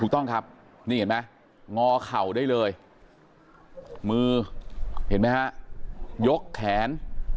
ถูกต้องครับนี่เห็นไหมงอเข่าได้เลยมือเห็นไหมฮะยกแขน